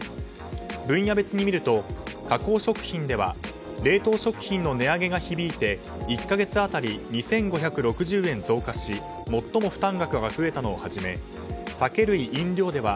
分野別に見ると加工食品では冷凍食品の値上げが響いて１か月当たり２５６０円増加し最も負担額が増えたのを始め酒類・飲料では